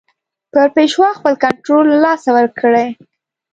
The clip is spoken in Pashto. پر پېشوا خپل کنټرول له لاسه ورکړي.